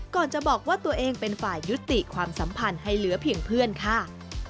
จะบอกว่าตัวเองเป็นฝ่ายยุติความสัมพันธ์ให้เหลือเพียงเพื่อนค่ะ